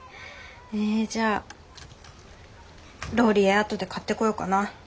えじゃあローリエ後で買ってこようかな。